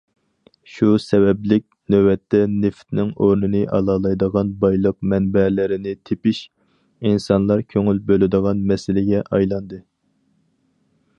شۇ سەۋەبلىك نۆۋەتتە نېفىتنىڭ ئورنىنى ئالالايدىغان بايلىق مەنبەلىرىنى تېپىش ئىنسانلار كۆڭۈل بۆلىدىغان مەسىلىگە ئايلاندى.